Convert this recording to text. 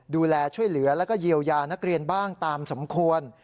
ดูแลช่วยเหลือแล้วก็เยียวยานักเรียนบ้างตามสมควร